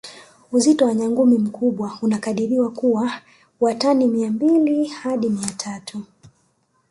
Uzito wa nyangumi mkubwa unakadiriwa kuwa wa tani Mia mbili hadi Mia tatu